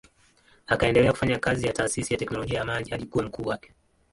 Akaendelea kufanya kazi ya taasisi ya teknolojia ya maji hadi kuwa mkuu wake.